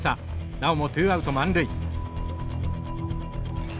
なおもツーアウト満塁。